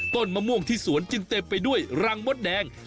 ต้นมะม่วงที่สวนจึงเต็มไปด้วยรังมดแดง